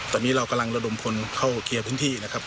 ตอนนี้เรากำลังระดมคนเข้าเคลียร์พื้นที่นะครับ